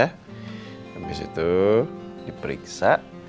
habis itu diperiksa